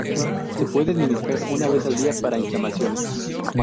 Se puede administrar una vez al día para inflamaciones.